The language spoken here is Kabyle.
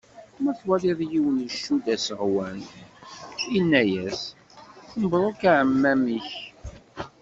Ma twalaḍ yiwen icudd aseɣwen, ini-yas: mebruk aεmam-ik.